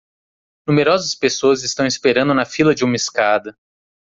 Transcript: Numerosas pessoas estão esperando na fila de uma escada.